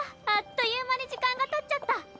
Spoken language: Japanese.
あっという間に時間がたっちゃった。